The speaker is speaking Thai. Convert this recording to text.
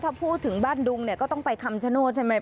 ถ้าพูดถึงบ้านดุงเนี่ยก็ต้องไปคำชโนธใช่ไหม